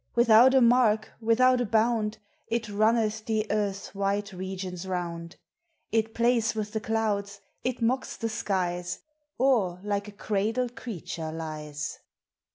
Without a mark, without a bound. It runneth the earth's wide regions round; It plays with the clouds; it mocks the skies; Or like a cradled creature lies.